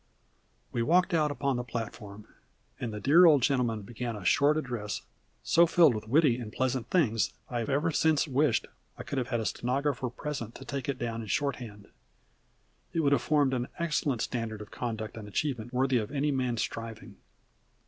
We walked out upon the platform, and the dear old gentleman began a short address so filled with witty and pleasant things that I have ever since wished I could have had a stenographer present to take it down in shorthand. It would have formed an excellent standard of conduct and achievement worthy of any man's striving.